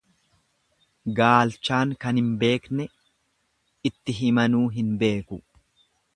Gaalchaan kan hin beekne itti himanuu hin beeku.